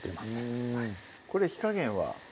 うんこれ火加減は？